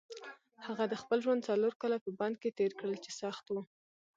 هغه د خپل ژوند څلور کاله په بند کې تېر کړل چې سخت وو.